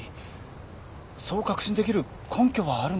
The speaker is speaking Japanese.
そう確信できる根拠はあるんでしょうか？